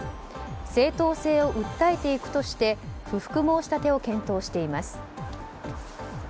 正当性を訴えていくとして不服申し立てを検討しています。